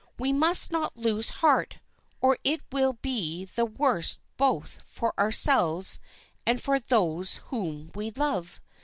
We must not lose heart, or it will be the worse both for ourselves and for those whom we love.